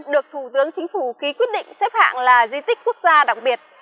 được thủ tướng chính phủ ký quyết định xếp hạng là di tích quốc gia đặc biệt